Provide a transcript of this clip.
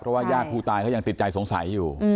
เพราะว่าญาติผู้ตายเขายังติดใจสงสัยอยู่